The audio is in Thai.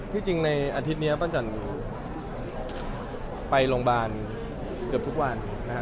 จริงในอาทิตย์นี้ปั้นจันไปโรงพยาบาลเกือบทุกวันนะครับ